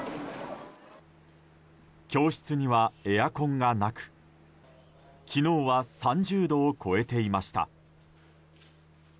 教室にはエアコンがなく昨日は３０度を超えていました。